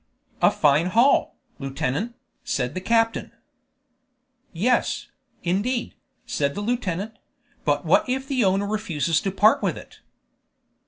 "A fine haul, lieutenant," said the captain. "Yes, indeed," said the lieutenant; "but what if the owner refuses to part with it?"